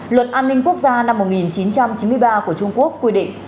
luật an ninh quốc gia năm một nghìn chín trăm chín mươi ba của trung quốc quy định